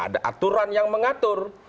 ada aturan yang mengatur